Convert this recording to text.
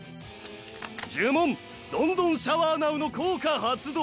呪文ドンドンシャワーナウの効果発動。